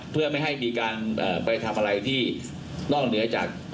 เพื่อไม่ให้มีการไปทำอะไรที่นอกเหนือจาก